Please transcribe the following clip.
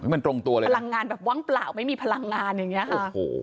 มันตรงตัวเลยพลังงานแบบว่างเปล่าไม่มีพลังงานอย่างนี้ค่ะ